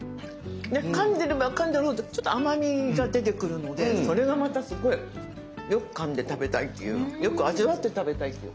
でかんでればかんでるほどちょっと甘みが出てくるのでそれがまたすごいよくかんで食べたいっていうよく味わって食べたいっていう。